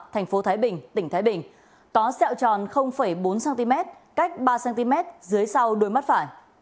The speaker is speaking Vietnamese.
thành phố thái bình tỉnh thái bình có xẹo tròn bốn cm cách ba cm dưới sau đôi mắt phải